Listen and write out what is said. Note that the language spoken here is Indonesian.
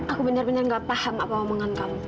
aku benar benar gak paham apa omongan kamu